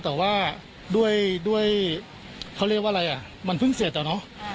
แต่ว่าด้วยด้วยเขาเรียกว่าอะไรอ่ะมันเพิ่งเสร็จแล้วเนอะอ่า